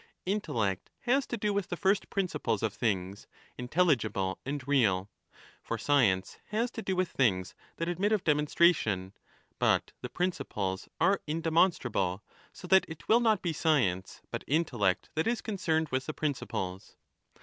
Intellect has to do with the first principles of things 20 intelligible and real. For science has to do with things that admit of demonstration, but the principles are in demonstrable, so that it will not be science but intellect that is concerned with the principles.